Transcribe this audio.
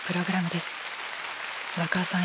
荒川さん